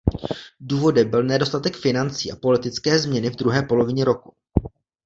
Důvodem byl nedostatek financí a politické změny v druhé polovině roku.